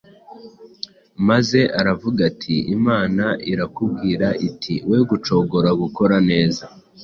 maze aravuga ati Imana irakubwira iti We gucogora gukora neza